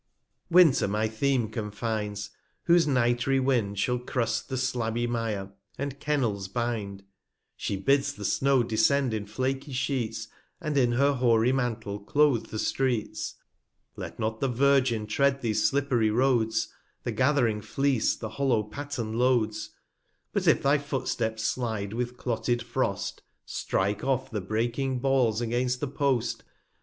Winter my Theme confines; whose nitry Wind Shall crust the slabby Mire, and Kennels bind ; She bids the Snow descend in flaky Sheets, And in her hoary Mantle cloath the Streets. 200 Let not the Virgin tread these slipp'ry Roads, The gath'ring Fleece the hollow Patten loads ; But if thy Footsteps slide with clotted Frost, Strike off the breaking Balls against the Post.